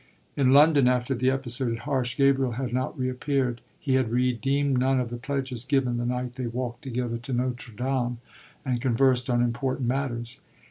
In London, after the episode at Harsh, Gabriel had not reappeared: he had redeemed none of the pledges given the night they walked together to Notre Dame and conversed on important matters.